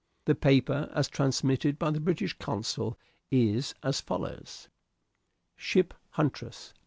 The paper, as transmitted by the British Consul, is as follows: "Ship Huntress.